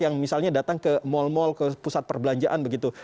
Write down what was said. yang misalnya datang ke mal mall ke pusat perbelanjaan begitu